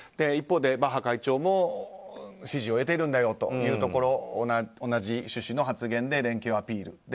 一方でバッハ会長も支持を得ているんだよと同じ趣旨の発言で連携をアピール。